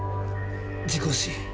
「事故死」！？